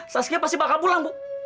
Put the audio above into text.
saski pasti bakal pulang bu